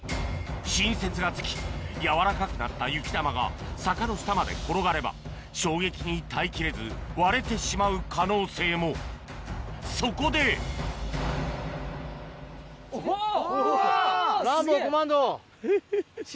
新雪が付きやわらかくなった雪玉が坂の下まで転がれば衝撃に耐えきれず割れてしまう可能性もそこでおぉ！